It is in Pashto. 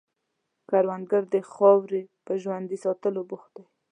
کروندګر د خاورې په ژوندي ساتلو بوخت دی